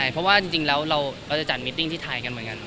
เพราะว่าจริงแล้วเราจะจัดมิติ้งที่ไทยกันเหมือนกัน